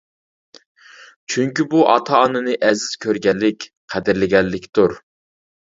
چۈنكى بۇ ئاتا-ئانىنى ئەزىز كۆرگەنلىك، قەدىرلىگەنلىكتۇر.